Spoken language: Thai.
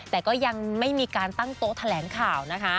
แต่ก็ยังไม่มีการตั้งโต๊ะแถลงข่าวนะคะ